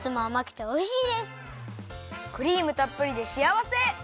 クリームたっぷりでしあわせ！